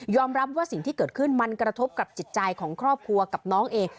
รับว่าสิ่งที่เกิดขึ้นมันกระทบกับจิตใจของครอบครัวกับน้องเอง